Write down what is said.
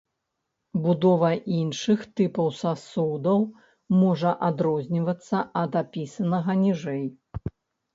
Будова іншых тыпаў сасудаў можа адрознівацца ад апісанага ніжэй.